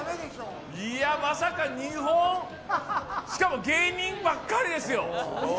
まさか２本、しかも芸人ばっかりですよ。